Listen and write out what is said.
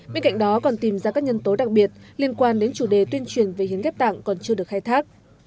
bên cạnh đó còn tìm ra các nhân tố đặc biệt liên quan đến chủ đề tuyên truyền về hiến ghép tặng còn chưa được khai thác